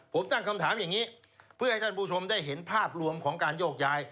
ผมตั้งคำถามอย่างนี้เพื่อให้ท่านผู้ชมได้เห็นภาพรวมของการโยกย้าย